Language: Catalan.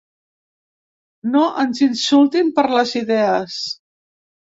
No ens insultin per les idees.